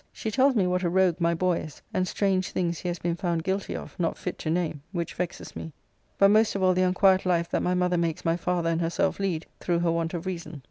She tells me what a rogue my boy is, and strange things he has been found guilty of, not fit to name, which vexes [me], but most of all the unquiett life that my mother makes my father and herself lead through her want of reason.